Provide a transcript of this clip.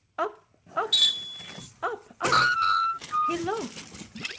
Up, Up! Hillo!